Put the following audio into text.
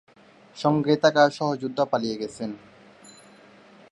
সঙ্গে থাকা সহযোদ্ধা পালিয়ে গেছেন।